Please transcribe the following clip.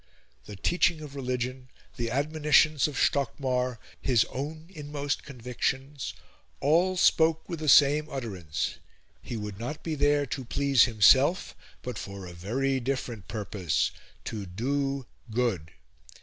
The teaching of religion, the admonitions of Stockmar, his own inmost convictions, all spoke with the same utterance. He would not be there to please himself, but for a very different purpose to do good.